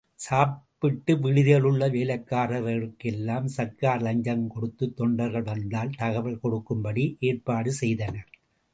சாப்பாட்டு விடுதிகளிலுள்ள வேலைக்காரர்களுக்கெல்லாம் சர்க்கார் லஞ்சம் கொடுத்துத் தொண்டர்கள் வந்தால் தகவல் கொடுக்கும்படி ஏற்பாடு செய்தனர்.